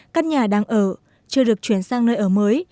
các nhà đang ở chưa được chuyển sang nơi ở mới